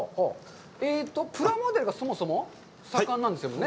プラモデルがそもそも盛んなんですよね。